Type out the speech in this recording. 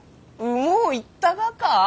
もういったがか？